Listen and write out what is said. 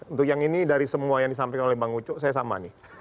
untuk yang ini dari semua yang disampaikan oleh bang ucu saya sama nih